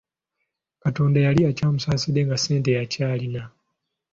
Katonda yali akyamusaasidde nga ssente akyalina.